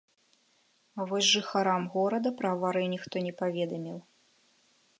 А вос жыхарам горада пра аварыю ніхто не паведаміў.